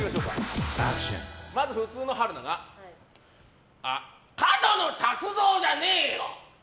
まず普通の春菜が角野卓造じゃねえよ！